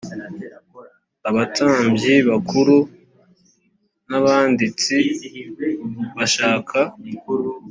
abatambyi bakuru n abanditsi bashaka